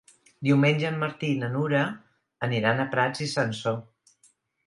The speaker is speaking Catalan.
Diumenge en Martí i na Nura aniran a Prats i Sansor.